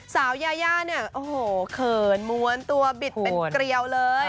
สาวยายาเนี่ยโอ้โหเขินม้วนตัวบิดเป็นเกลียวเลย